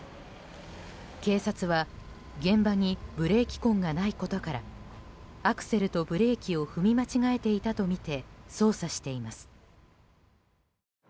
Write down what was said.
警察は、現場にブレーキ痕がないことからアクセルとブレーキを踏み間違えていたとみて捜査しています。